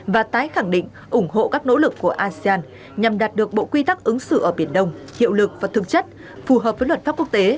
và tái khẳng định ủng hộ các nỗ lực của asean nhằm đạt được bộ quy tắc ứng xử ở biển đông hiệu lực và thực chất phù hợp với luật pháp quốc tế